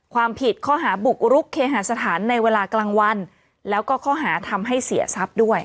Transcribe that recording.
ความผิดข้อหาบุกรุกเคหาสถานในเวลากลางวันแล้วก็ข้อหาทำให้เสียทรัพย์ด้วย